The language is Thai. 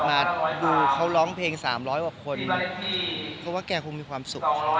บอกว่าขอโทษ